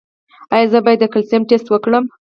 ایا زه باید د کلسیم ټسټ وکړم؟